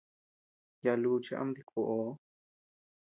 Yaʼa luchi ama dikuoʼoo.